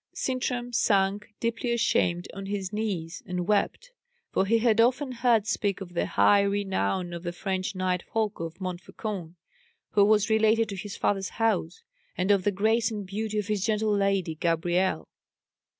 Sintram sank, deeply ashamed, on his knees, and wept; for he had often heard speak of the high renown of the French knight Folko of Montfaucon, who was related to his father's house, and of the grace and beauty of his gentle lady Gabrielle.